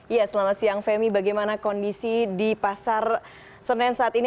ya selamat siang femi bagaimana kondisi di pasar senen saat ini